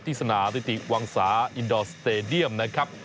ที่สนาวังสาอินดอลสเตรเดียมนะครับ